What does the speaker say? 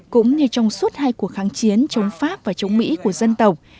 cũng như trong suốt hai cuộc kháng chiến chống pháp và chống mỹ của dân tộc